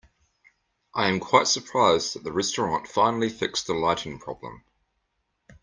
I am quite surprised that the restaurant finally fixed the lighting problem.